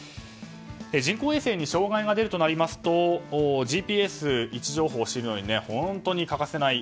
人工衛星に障害が出るとなるとＧＰＳ、位置情報を知るのに本当に欠かせない